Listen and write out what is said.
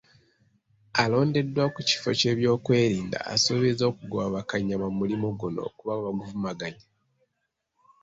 Alondeddwa ku kifo ky’ebyokwerinda, asuubizza okugoba bakanyama mu mulimu guno kuba baguvumaganya.